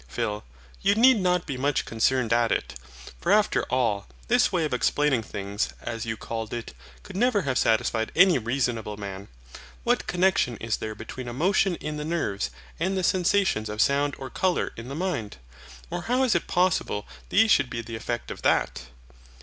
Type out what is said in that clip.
PHIL. You need not be much concerned at it; for after all, this way of explaining things, as you called it, could never have satisfied any reasonable man. What connexion is there between a motion in the nerves, and the sensations of sound or colour in the mind? Or how is it possible these should be the effect of that?